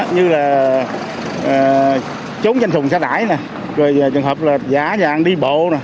như là trốn trên trùng xa đải trường hợp là giả dạng đi bộ